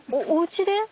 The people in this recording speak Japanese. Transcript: おうちで？